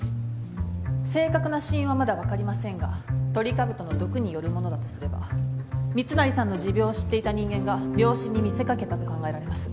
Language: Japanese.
正確な死因はまだ分かりませんがトリカブトの毒によるものだとすれば密成さんの持病を知っていた人間が病死に見せかけたと考えられます。